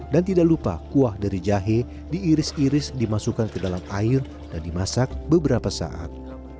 tidak lupa kuah dari jahe diiris iris dimasukkan ke dalam air dan dimasak beberapa saat